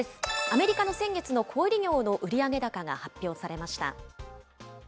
アメリカの先月の小売り業の売上高が発表されました。